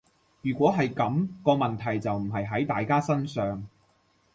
如果係噉，個問題就唔係喺大家身上